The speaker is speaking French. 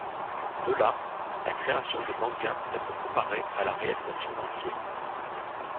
De là, la création de manga peut être comparée à la réalisation d'un film.